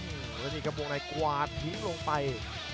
อืมแล้วนี่กระโปรงในกวาดทิ้งลงไป